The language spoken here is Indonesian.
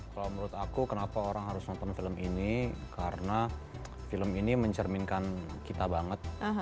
kalau menurut aku kenapa orang harus nonton film ini karena film ini mencerminkan kita banget